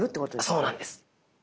そうなんです。